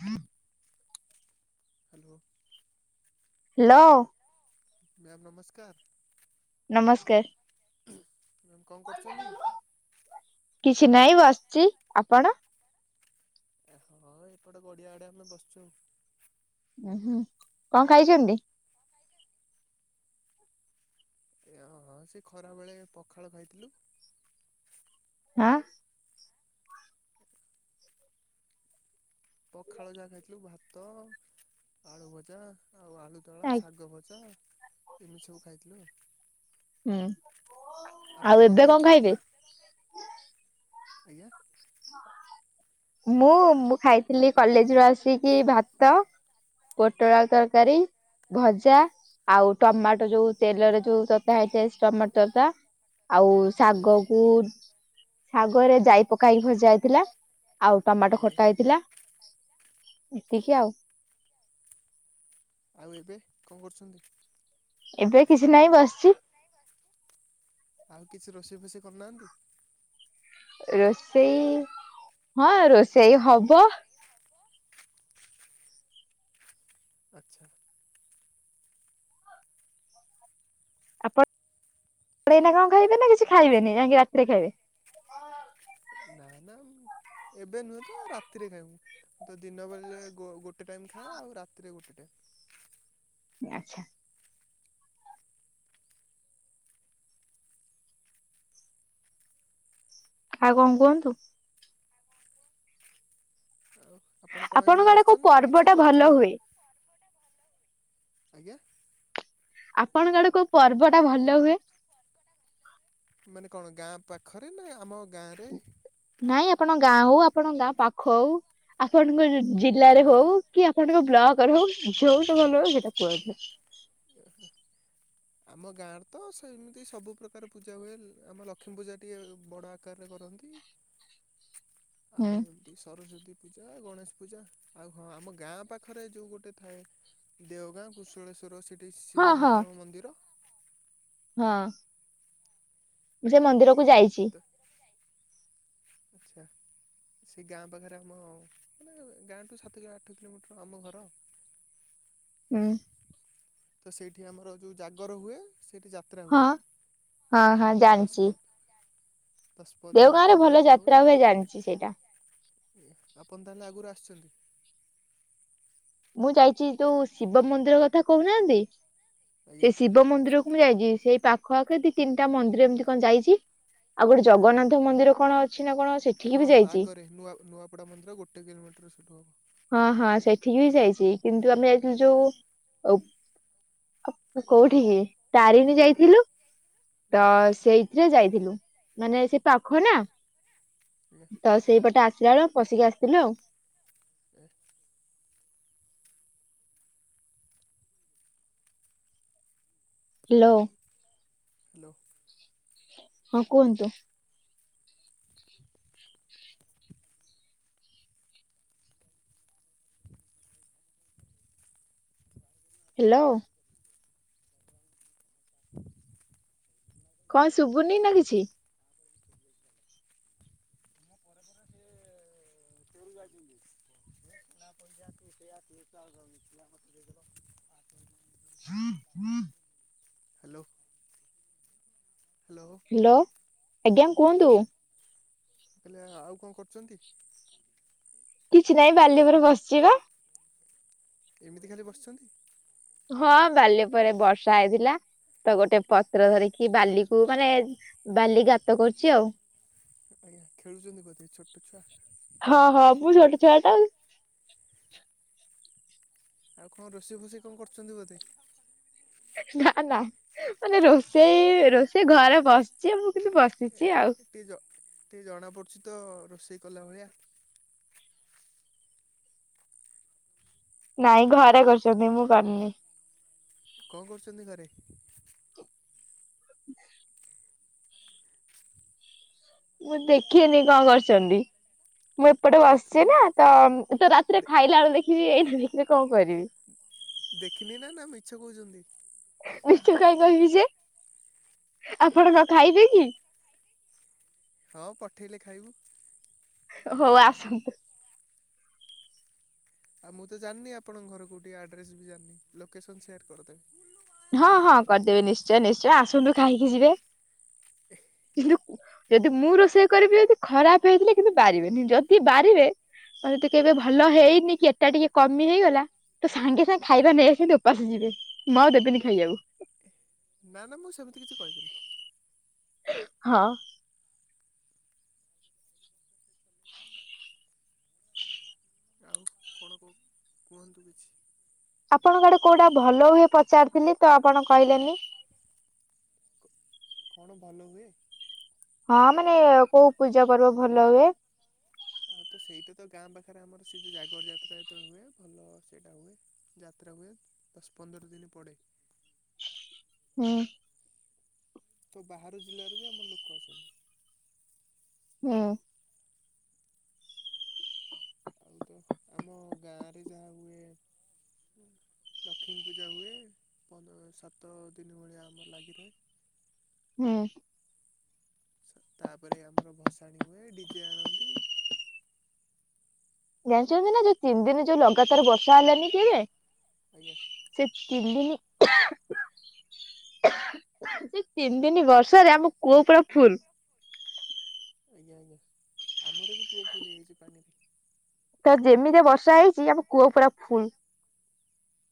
ହଁ ହାଲୋ। ଲ ମ୍ୟାମ୍ ନମସ୍କାର। ନମସ୍କାର। ମ୍ୟାମ୍ କଁ କରଚନ୍ତି? କିଛି ନାହିଁ ବସଚି ଆପଣ? ଏ ହଁ ଏପଟେ ଗଡି଼ଆଡ଼େ ଆମେ ବସଚୁ ଆଉ। ଉଏ ହୁଁ କଁ ଖାଇଛନ୍ତି? ଏ ହଁ ସେ ଖରା ବେଳେ ପଖାଳ ଖାଇଥିଲୁ। ଆଁ? ପଖାଳ ଯାହା ଖାଇଥିଲୁ ଭାତ ଆଳୁ ଭଜା। ଆଉ ଆଳୁ ଦଳା ହୁଁ ଶାଗ ଭଜା ଏମି ସବୁ ଖାଇଥିଲୁ। ହୁଁ ଆପଣ ଆଉ କଣ ଏବେ କଁ ଖାଇଥିଲେ? ଖାଇବେ? ଆଜ୍ଞା? ମୁଁ ମୁଁ ଖାଇଥିଲି କଲେଜରୁ ଆସିକି ଭାତ। ପୋଟଳ ଆଉ ତରକାରୀ। ଭଜା ଆଉ ଟମାଟୋ ଯୋଉ ତେଲରେ ଯୋଉ ତତା ହେଇଥାଏ ସେ ଟମାଟୋ ତତା। ଆଉ ଏ ଶାଗକୁ ଶାଗରେ ଜାଇ ପକା ହେଇକି ଭଜା ହେଇଥିଲା। ଆଉ ଟମାଟୋ ଏ ଖଟା ହେଇଥିଲା। ଏତିକି ଆଉ। ଆଉ ଏବେ କଁ କରୁଛନ୍ତି? ଏବେ କିଛି ନାହିଁ ବସଚି। ଆଉ କିଛି ରୋଷେଇ ଫୋଷେଇ କରନାହାନ୍ତି? ରୋଷେଇ ହଁ ରୋଷେଇ ହବ। ଆଚ୍ଛା। ଆପ ଡ଼େଇନା କଁ ଖାଇବେ ନା କିଛି ଖାଇବେନେଇ ଆଇଁକି ରାତିରେ ଖାଇବେ? ନାଁ ନାଁ ଏବେ ନୁହେଁ ତ ରାତିରେ ଖାଇମୁ। ତ ଦିନ ବଳେ ଗୋ ଗୋଟେ ଟାଇମ୍ ଖାଏ ଆଉ ରାତିରେ ଗୋଟେ ଟାଇ। ଏ ଆଚ୍ଛା। ଆଉ କଁ କୁହନ୍ତୁ। ଆଉ ଆପଣ କଣ ଏମିତି ଆପଣଙ୍କ ଆଡେ କୋଉ ବସଚନ୍ତି ନାଁ ପର୍ବ କିଛି ଟା ଭଲ କରୁଥୁଲେ? ହୁଏ? ଆଜ୍ଞା? ଆପଣଙ୍କ ଆଡ଼େ କୋଉ ପର୍ବଟା ଭଲ ହୁଏ? ମାନେ କଣ ଗାଁ ପାଖରେ ନା ଆମ ଗାଁରେ? ନାଇଁ ଆପଣଙ୍କ ଗାଁ ହୋଉ ଆପଣଙ୍କ ଗାଁ ପାଖ ହଉ ଆପଣଙ୍କ ଜିଲ୍ଲାରେ ଆ ହଉ କି ସ୍ୟାଡ଼ୁରୁ ବ୍ଲକ୍ ରେ ହଉ ଯୋଉଟା ଭଲ ହୁଏ ସେଇଟା କୁହନ୍ତୁ। ଏହେ ଆ ଆମ ଗାଁରେ ତ ସେମିତି ସବୁ ପ୍ର୍ରକାର ପୂଜା ହୁଏ। ଆମ ଲକ୍ଷ୍ମୀ ପୂଜା ଟିକେ ବଡ଼ ଆ କାରରେ କରନ୍ତି। ଆଉ ହୁଁ ଏମ୍ ତି ସରସ୍ଵତୀ ପୂଜା, ଗଣେଶ ପୂଜା। ଆଉ ହଁ ଆମ ଗାଁ ପାଖରେ ଯୋଉ ଗୋଟେ ଥାଏ ଦେଓଗାଁ କୁଶଳେଶ୍ୱର ସେଠି ହଁ ଶିବ ହଁ ଠାକୁରଙ୍କ ମନ୍ଦିର। ହଁ ମୁଁ ସେ ମନ୍ଦିରକୁ ଯାଇଚି। ତ ଆଚ୍ଛା। ସେ ଗାଁ ପାଖରେ ଆମ ମାନେ ଗାଁଠୁ ସାତ କି ଆଠ କିଲୋମିଟର୍ ଆମ ଘର। ଉଁ। ତ ସେଇଠି ଆମର ଯୋଉ ଜାଗର ହୁଏ। ସେଇଠି ଯା ତ୍ରା ହୁଏ ହଁ ହଁ ହଁ ଜାଣିଛି। ଦଶ ପ ଦଶ ଦେଓଗାଁ ପନ୍ଦର ରେ ଦିନ୍ ଭଲ ଯାତ୍ରା ହୁଏ। ଜାଣିଛି ସେଇଟା ଏ ଆପଣ ତାହେଲେ ଆଗରୁ ଆସିଛନ୍ତି? ମୁଁ ଯାଇଛି ଯୋଉ ଶିବ ମନ୍ଦିର କଥା କହୁ ନାହାଁନ୍ତି ଆଜ୍ଞା। ସେ ଶିବ ମନ୍ଦିର ମୁ ଯାଇଛି ସେଇ ପାଖ ଆଖ ଦି ତିନିଟା ମନ୍ଦିର ଏମିତି କଣ ଯାଇଛି। ଆଉ ଗୋଟେ ଜଗନ୍ନାଥ ମନ୍ଦିର କଣ ଅଛି ନା କଣ ସେ ହଁ ହଁ ଆଗରେ ନୂଆ ନୂଆପଡ଼ା ମନ୍ଦିର ଗୋଟେ କିଲୋମିଟର ସେ ଠୁ ହେବ। ହଁ ହଁ ସେଠିକି ବି ଯାଇଛି କିନ୍ତୁ ଆମେ ଯାଇଥିଲୁ ଯୋଉ ଓ କୋଉଠିିକି ତାରିଣୀ ଯାଇଥିଲୁ। ତ ସେଇଥିରେ ଯାଇଥିଲୁ ମାନେ ସେ ପାଖ ନା ଏ ତ ସ ସେଇପଟେ ଆସିଲାବେଳେ ପଶିକି ଆସିଥିଲୁ ଆଉ। ଏ ହ୍ୟାଲୋ। ହ୍ୟାଲୋ। ହଁ କୁହନ୍ତୁ? [unintelligible] ହ୍ୟାଲୋ। [inaudible] କଣ ଶୁଭୁନି ନା କିଛି? ତୁମ ପରେ ପରେ ସିଏ ତୋରି ଯାଇଛନ୍ତି [unintelligible] [inaudible] ହ୍ୟାଲୋ। ହ୍ୟାଲୋ। ହ୍ୟାଲୋ ଆଜ୍ଞା କୁହନ୍ତୁ? ହେଲେ ଆଉ କଣ କରୁଛନ୍ତି? କିଛି ନାଇଁ ବାଲି ଉପରେ ବସିଛି ବା। ଏମିତି ଖାଲି ବସିଛନ୍ତ? ହଁ ବାଲିଉପରେ ବର୍ଷା ହେଇଥିଲା ତ ଗୋଟେ ଏ ପତ୍ର ଧରି କି ବାଲିକୁ ମାନେ ବାଲି ଗାତ କରୁଛି ଆଉ। ଆଜ୍ଞା ଖେଳୁଛନ୍ତି ବୋଧେ ଛୋଟ ଛୁଆ। ହଁ ହଁ ମୁଁ ଛୋଟ ଛୁଆ ଟା ଆଉ। ଆଉ କଣ ରୋଷେଇ ଫୋସେଇ କଣ କରୁଛନ୍ତି ବୋଧେ? ନା ନା ମାନେ ରୋଷେଇ ରୋଷେଇ ଘରେ ବସିଛି ମୁଁ କିନ୍ତୁ ଏ ବସିଛି ଆଉ। ଟିକେ ଜ ଟିକେ ଜଣା ପଡୁଛି ତ ରୋଷେଇ କଲା ଭଳିଆ। ନାଇଁ ଘରେ କରୁଛନ୍ତି ମୁଁ କରିନି। କଣ କରୁଛନ୍ତି ଘରେ? ହ ମୁଁ ଦେଖିନି କଣ କରିଛନ୍ତି? ମୁଁ ଏପଟେ ବସିଛି ନା ତ ତ ରାତିରେ ଦେ ଖାଇଲା ବେଳୁ ଦେଖିବି ଏଇନା ଦେଖିଲେ କଣ କରିବି। ଦେଖିନି ନା ନା ମିଛ କହୁଛନ୍ତି? ମିଛ କାଇଁ କହିବି ଯେ ଆପଣ କଣ ଖାଇବେ କି? ହଁ ପଠେଇଲେ ଖାଇବୁ। ହଉ ଆସନ୍ତୁ ଆଉ ମୁଁ ତ ଜାଣିନି ଆପଣଙ୍କ ଘରକୁ ଟିକେ ଆଡ୍ରେସ ବି ଜାଣିନି ଲୋକେସନ ସେୟାର କରିଦେବେ ହଁ ହଁ କରିଦେବେ ନିଶ୍ଚୟ ନିଶ୍ଚୟ ଆସନ୍ତୁ ଖାଇକି ଯିବେ କିନ୍ତୁ [unintelligible] ଯଦି ମୁଁ ରୋଷେଇ କରିବି ଯଦି ଖରାପ ହେଇଥିଲେ କିନ୍ତୁ ବାରିବେନି ଯଦି ବାରିବେ ମେ ତ କେବେ ଭଲ ହେଇନି କି ଏଟା ଟିକେ କମି ହେଇଗଲା ତୁ ସାଙ୍ଗେ ନା ଏ ଖାଇବା ନେଇ ସେମି ଉପାସ ଯିବେ ମୁଁଆଉ ଦେବିନି ଖାଇବାକୁ ନା ନା ମୁଁ ସେମିତି କିଛି କହିବିନି ହଁ ହ [inaudible] ଆଉ କଣ କୁ କୁହନ୍ତୁ କିଛି ଆପଣଙ୍କ ଆଡେ କୋଉଟା ଭଲ ହୁଏ ପଚାରିଥିଲି ତ ଆପଣ କହିଲେନି କଣ ଭଲ ହୁଏ। ହଁ ମାନେ କୋଉ ପୂଜା ପର୍ବ ଭଲ ହୁଏ। ଆଉ ତ ସେଇଟା ତ ଗାଁ ପାଖରେ ଆମର ସେ ଯୋଉ ଜାଗର ଯାତ୍ରା ଯେତେବେଳେ ହୁଏ ଭଲ ସେଇଟା ହୁଏ। ଯାତ୍ରା ହୁଏ ଦଶ ପନ୍ଦର ଦିନ ପଡ଼େ ହୁଁ ତ ବାହାର ଜିଲ୍ଲାରୁ ବି ଆମର ଲୋକ ଆସନ୍ତି। ହୁଁ ଆଉ ତ ଆମ ଗାଁରେ ଯାହା ହୁଏ। ଲକ୍ଷ୍ମୀ ପୂଜା ହୁଏ ପନ୍ଦ୍ ସାତ ଦିନ ଭଳିଆ ଆମର ଲାଗି ରହେ ହୁଁ ଆଛା ତାପରେ ଆମର ଭସାଣି ହୁଏ ଡିଜେ ଆଣନ୍ତି ଜାଣିଛନ୍ତି ନା ଯୋଉ ତିନି ଦିନ ଯୋଉ ଲଗାତାର ବର୍ଷା ହେଲାନି କିବେ ଆଜ୍ଞା ସେ ତନି ଦିନି ସେ ତିନି ଦିନି ବର୍ଷ ରେ ଆମ କୋଉ ପୁରା ଫୁଲ୍ ଆଜ୍ଞା ଆଜ୍ଞା ଆମର ବି ତୁଅ ଫୁଲ ହେଇଯାଇଛି ପାଣିରେ ତା ଯେମିତିଆ ବର୍ଷା ହେଇଛି ଆମ କୂଅ ପୁରା ଫୁଲ୍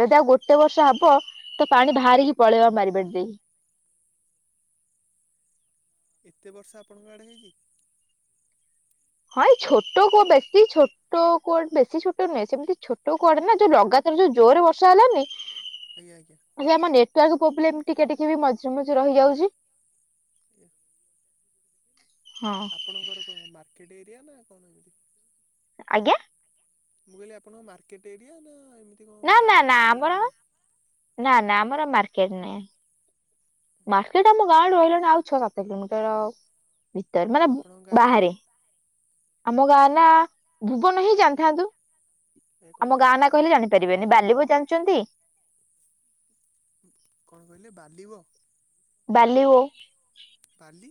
ଯଦି ଆଉ ଗୋଟେ ବର୍ଷା ହବ। ତ ପାଣି ବାହାରିକି ପଳେଇବ ବାରିପଟ ଦେଇ ଏତେ ବର୍ଷା ଆପଣଙ୍କ ଆଡ଼େ ହେଇଛି। ହଁ ଏ ଛୋଟ କୁ ବେଶୀ ଛୋଟ ତୋ କୁଆଡେ ବେଶୀ ଛୋଟ ନୁହେଁ ସେମିତି ଛୋଟ କୁଆଡେ ନା ଯୋଉ ଲଗାତାର ଯୋଉ ଜୋରେ ବର୍ଷା ହେଲାନି ଆଜ୍ଞା ଆଜ୍ଞା। ଆଜି ଆମ ନେଟୱାର୍କ ପ୍ରୋବ୍ଲେମ୍ ଟିକେ ଟିକେ ବି ମଝିରେ ମଝିରେ ରହିଯାଉଛି। ଏଆ ହଁ ଆପଣଙ୍କର କଣ ମାର୍କେଟ୍ ଏରିଆ ନା କଣ ଏମିତି ଆଜ୍ଞା [inaudible] ମୁଁ କହିଲି ଆପଣ ମାର୍କେଟ ଏରିଆ ନା ଏମିତି ନା କଣ ଗାଁ ନା ନା ପାଖରେ ଆମର ଲାଗି ନା ନା ଆମର ମାର୍କେଟ ନାଇଁ। ମାର୍କେଟ ଆମ ଗାଁ ଆଡୁ ରହିଲାଣି ଆଉ ଛଅ ସାତ କିଲୋମିଟର ଭିତର ମାନେ ଆପଣଙ୍କ ଗାଁ ନା ବାହାରେ। ଆମ ଗାଁ ନା ଭୁବନ ହିଁ ଜାଣିଥାନ୍ତୁ ଏ [inaudible] କଣ ଆମ ଗାଁ ନା କହିଲେ ଜାଣିପାରିବେନି ବାଲି ବୋ ଜାଣିଛନ୍ତି [unintelligible] କଣ କହିଲେ ବାଲିବ ବାଲି ଓ ପାଲି।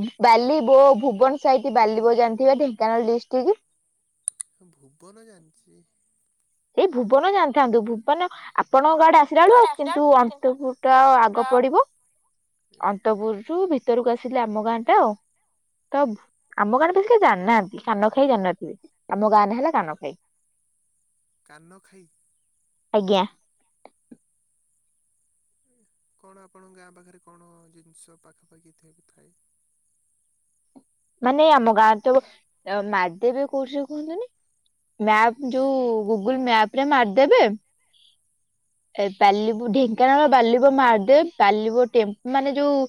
ଉଁ ବାଲିିବୋ ଭୁବନ ସାଇଟ ବାଲିିବୋ ଜାଣିଥିବେ ଢେଙ୍କାନାଳ ଡିଷ୍ଟ୍ରିକ୍ଟ। ହଁ ଭୁବନ ଜାଣିଛି। ଏଇ ଭୁବନ ଜାଣିଥାନ୍ତୁ ଭୁବନ ଆପଣଙ୍କ ଆଡେ ଆସିଲା ବେଳୁ ଆ କିନ୍ତୁ ଅନ୍ତପୁର ତ ଆ ଆଗ ପଡିବ ଏ ଅନ୍ତପୁରରୁୁ ଭିତରକୁ ଆସିଲେ ଆମ ଗାଁ ଟା ଆଉ। ତ ବ ଆମ ଗାଁରେ ବେଶିକେଇ ଜାଣିନାହାନ୍ତି କାନ ଖାଇ ଜାନନଥିବେ ଆମ ଗାଁ ନା ହେଲା କାନ ଖାଇ। କାନ ଖାଇ। ଆଜ୍ଞା। କଣ ଆପଣଙ୍କ ଗାଁ ପାଖରେ କଣ ଜିନିଷ ପାଖାପାଖି ଥିବ ଥାଏ। ମାନେ ଆମ ଗାଁରେ ତ ଆଁ ମା ଦେବୀ କୁସି କୁହନ୍ତୁନି ମ୍ୟାପ ଆଜ୍ଞା ଯୋଉ ଗୁଗୁଲ୍ ମ୍ୟାପ ରେ ମାରିଦେବେ। ଏ ପାଲିବୁ ଢେଙ୍କାନାଳ ବାଲିବ ମାହାଦେବ ବାଲିବ ଟେମ୍ପ ମାନେ ଯୋଉ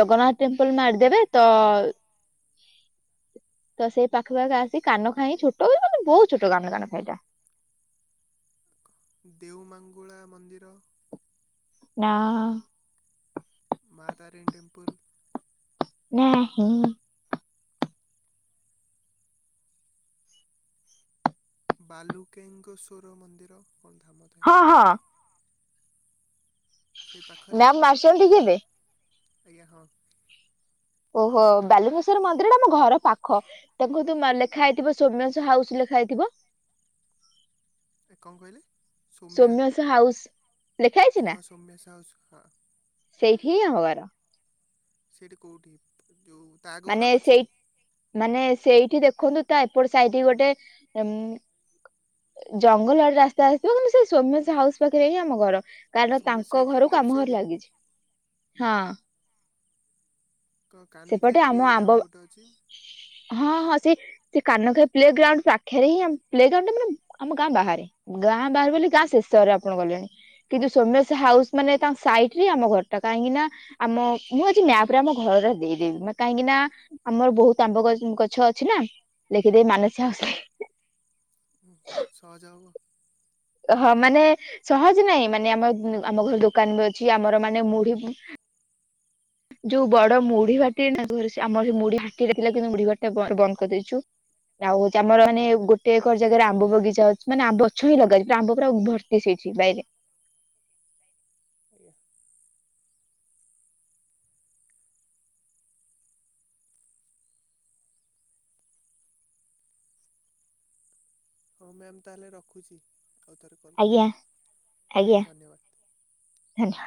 ଜଗନ୍ନାଥ ଟେମ୍ପଲ ମାରିଦେବେ ତ [inaudible] ତ ସେଇ ପାଖକୁ ଅକ୍ ଆସି କାନ ଖାଇ ଛୋଟ ବହୁତ ଛୋଟ କାନ କାନ ଖାଇଟା। ଦେଉମାଙ୍ଗୁଳା ମନ୍ଦିର। ନା। ମା ତାରିଣୀ ଟେମ୍ପଲ। ନାହିଁ। ବାଲୁକେଙ୍ଗସ୍ୱର ମନ୍ଦିର କଣ ଧାମ ଥାଏ। ହଁ ହଁ ସେ ପାଖରେ ମ୍ୟାମ ମାରିଛନ୍ତି କି ଏବେ? ଆଜ୍ଞା ହଁ। ଓହୋ ବଳୁନଙ୍କେଶ୍ୱର ମନ୍ଦିର ଟା ଆମ ଘର ପାଖ। ତାଙ୍କୁ ତୁ ମ ଲେଖା ହେଇଥିବ ସୋମ୍ୟାଂଶ ହାଉସ ଲେଖା ହେଇଥିବ। କଣ କହିଲେ ସୌମ୍ୟା। ତ ହାଉସ୍। ଏହା ସୌମ୍ୟା ସାହୁ ସୁ ହା। ସେଇଠି ହିଁ ଆମ ଘର। ସେଇଠି କୋଉଠି ତ ଯୋଉ ତା ଆଗକୁ ନା ମାନେ ପଛକୁ? ସେଇ ମାନେ ସେଇଠି ଦେଖନ୍ତୁ ତା ଏପଟ ସାଇଟି କି ଗୋଟେ ଊଁ ଜଙ୍ଗଲ ଆଡେ ରାସ୍ତା ଆସିବ କିନ୍ତୁ ସେ ସୋମେଶ ହାଉସ ପାଖରେ ହିଁ ଆମ ଘର। କାରଣ ସୋମେଶ ତାଙ୍କ ସାଇଟ୍ ରୁ ଘରକୁ ଲେଫ୍ଟ ଆମ ସାଇଡ୍ ଘର ଲାଗିଛି। ହଁ। କ ସେପଟେ କାନିଖାଇ ଆମ ପ୍ଲେ ଆମ୍ବ ଗ୍ରାଉଣ୍ଡ ଗୋଟେ ଅଛି। ହଁ ହଁ ସେ ସେ କାନ ଖାଇ ପ୍ଲେ ଗ୍ରାଉଣ୍ଡ ପାଖରେ ହିଁ ପ୍ଲେ ଗ୍ରାଉଣ୍ଡ ଟା ମାନେ ଆମ ଗାଁ ବାହାରେ। ଗାଁ ବାହାରାରେ ବୋଲି ଗାଁ ଶେଷରେ ଆପଣ ଗଲେଣି କିନ୍ତୁ ସୋମେସ ହାଉସ ମାନେ ତାଙ୍କ ସାଇଟ ରେ ଆମ ଘରଟା କାହିଁକି ନା ଆମ ମୁଁ ଆଜି ମ୍ୟାପ ରେ ଆମ ଘର ଦେଇଦେବି କାହିଁକି ନା ଆମର ବହୁତ ଆମ୍ବ ଗଛ ଗଛ ଅଛି ନା ଲେଖିଦେଇ ମାନସି ହାଉସ୍। ହୁଁ ସହଜ ହବ। ହଁ ମାନେ ସହଜ ନାହିଁ ମାନେ ଆମ ଆମ ଘରୁ ଦୋକାନରୁ ବି ଅଛି ଆମର ମାନେ ମୁଢି ଯୋଉ ବଡ ମୁଢି ଭାଟି ନା ଆମର ସେ ମୁଢି ଭାଟିରେ ଥିଲା କିନ୍ତୁ ମୁଢି ଭାଟି ବନ୍ଦ କରିଦେଇଛୁ। ଆଉ ହଉଛି ଆମର ମାନେ ଗୋଟ ଟେ ଆଜ୍ଞା ଏକର ଜାଗାରେ ଆମ୍ବ ବଗିଚା ଅଛି ମାନେ ଆମ୍ବ ଗଛ ଲଗା ହେଇଚି ପୁରା ଆମ୍ବ ଭର୍ତି ହେଇଛି ବାଇରେ ଆଜ୍ଞା। ହଁ ମ୍ୟାମ୍ ତା ହେଲେ ରଖୁଛି ଆଉଥର ଆଜ୍ଞା ଆଜ୍ଞା ଧନ୍ୟ